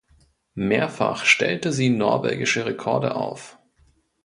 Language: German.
Mehrfach stellte sie norwegische Rekorde auf.